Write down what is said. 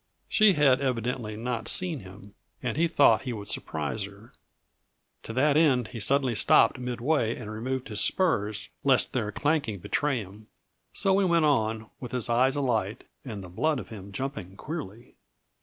She had evidently not seen him, and he thought he would surprise her. To that end, he suddenly stopped midway and removed his spurs lest their clanking betray him. So he went on, with his eyes alight and the blood of him jumping queerly.